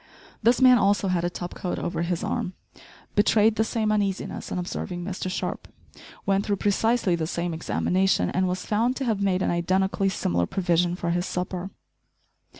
This man also had a top coat over his arm, betrayed the same uneasiness on observing Mr Sharp, went though precisely the same examination, and was found to have made an identically similar provision for his supper.